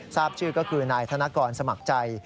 ทราบชื่อก็คือนายธนกรสมัครใจ